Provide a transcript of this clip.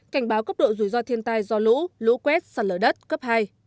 cảnh báo cấp độ rủi ro thiên tai do lũ lũ quét sạt lở đất cấp hai